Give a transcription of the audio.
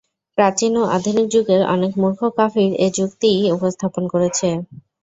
প্রাচীন ও আধুনিক যুগের অনেক মূর্খ কাফির এ যুক্তিই উপস্থাপন করেছে।